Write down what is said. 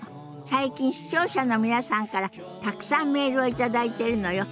最近視聴者の皆さんからたくさんメールを頂いてるのよ。